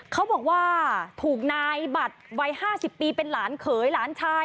เขาบอกว่าถูกนายบัตรวัย๕๐ปีเป็นหลานเขยหลานชาย